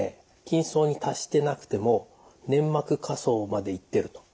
筋層に達してなくても粘膜下層までいってると。